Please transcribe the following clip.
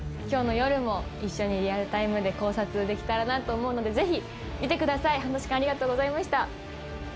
今日の夜も一緒にリアルタイムで考察できたらなと思うのでぜひ見てください半年間ありがとうございました。